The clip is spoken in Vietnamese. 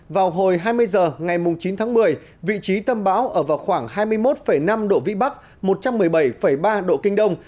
vào hồi hai mươi h ngày chín tháng một mươi vị trí tâm bão ở vào khoảng hai mươi một năm độ vĩ bắc một trăm một mươi bảy ba độ kinh đông